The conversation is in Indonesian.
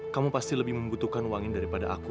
kamu pasti lebih membutuhkan uang ini daripada aku ra